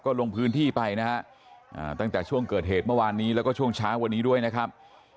ลงพื้นที่ไปนะฮะตั้งแต่ช่วงเกิดเหตุเมื่อวานนี้แล้วก็ช่วงเช้าวันนี้ด้วยนะครับ